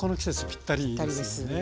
ぴったりです。